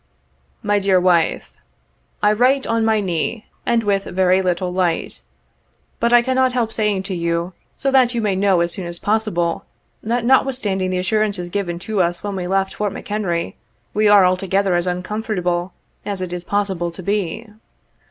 " My Dear Wife :—" I write on my knee, and with very little light — but I can not help saying to you, so that you may know as soon as possible, that, notwithstanding the assurances given to us when we left Fort McHenry, we are altogether as uncomfortable as it is possible to be.